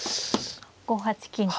５八金と。